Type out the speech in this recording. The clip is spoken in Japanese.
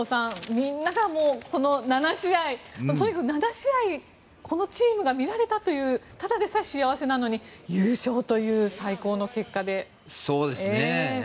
みんながこの７試合とにかく７試合、このチームが見られたというただでさえ幸せなのに優勝という最高の結果で。